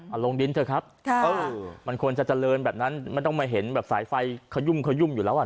เอาลงดินเถอะครับมันควรจะเจริญแบบนั้นไม่ต้องมาเห็นแบบสายไฟขยุ่มขยุ่มอยู่แล้วอ่ะ